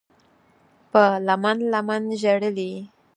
په لمن، لمن ژړلي